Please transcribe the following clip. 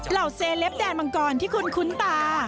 เหล่าเซเลปแดนมังกรที่คุ้นตา